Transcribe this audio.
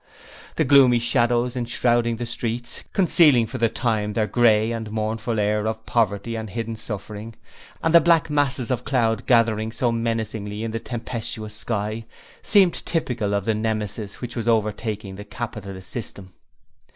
The gloomy shadows enshrouding the streets, concealing for the time their grey and mournful air of poverty and hidden suffering, and the black masses of cloud gathering so menacingly in the tempestuous sky, seemed typical of the Nemesis which was overtaking the Capitalist System.